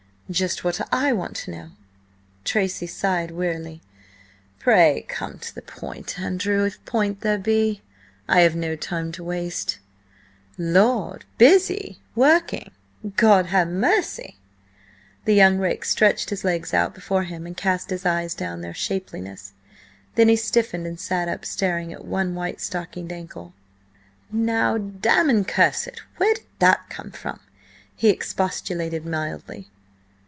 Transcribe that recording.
"Just what I want to know!" Tracy sighed wearily. "Pray come to the point, Andrew–if point there be. I have no time to waste." "Lord! Busy? Working? God ha' mercy!" The young rake stretched his legs out before him and cast his eyes down their shapeliness. Then he stiffened and sat up, staring at one white stockinged ankle. "Now, damn and curse it! where did that come from?" he expostulated mildly.